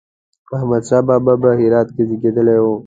احمد شاه بابا په هرات کې زېږېدلی و